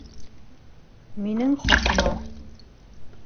Минең хаҡыма.